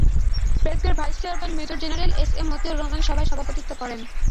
ব্যাংকের vice chairman major general S M Motiur Rahman সভায় সভাপতিত্ব করেন।